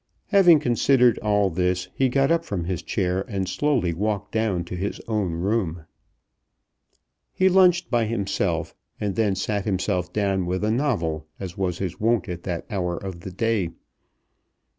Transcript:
Having considered all this he got up from his chair and slowly walked down to his own room. He lunched by himself, and then sat himself down with a novel, as was his wont at that hour of the day.